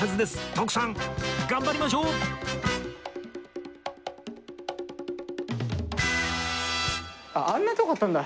徳さん頑張りましょうあんなとこあったんだ。